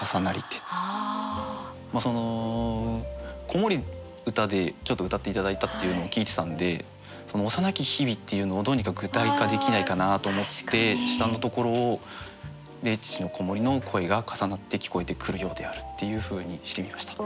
子守歌でちょっと歌って頂いたっていうのを聞いてたんでその「幼き日々」っていうのをどうにか具体化できないかなと思って下のところで父の子守の声が重なって聞こえてくるようであるっていうふうにしてみました。